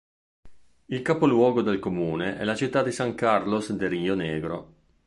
Il capoluogo del comune è la città di San Carlos de Río Negro.